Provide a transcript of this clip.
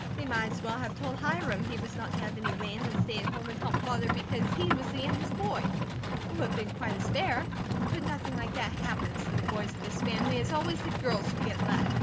They might as well have told Hiram he was not to have any land and stay at home and help Father because he was the youngest boy; it would have been quite as fair; but nothing like that happens to the boys of this family, it is always the girls who get left.